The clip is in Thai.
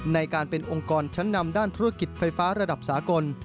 ในการเป็นองค์กรชั้นนำด้านธุรกิจไฟฟ้าระดับสากล